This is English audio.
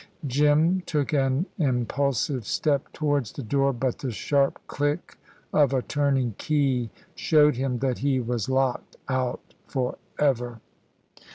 Jim took an impulsive step towards the door, but the sharp click of a turning key showed him that he was locked out for ever.